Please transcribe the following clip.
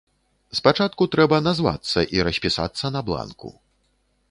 Спачатку трэба назвацца і распісацца на бланку.